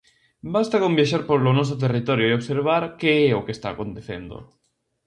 Basta con viaxar polo noso territorio e observar que é o que esta acontecendo.